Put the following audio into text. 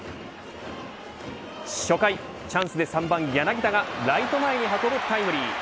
初回チャンスで３番、柳田がライト前に運ぶタイムリー。